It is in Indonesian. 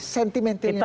sentimentalnya pak sby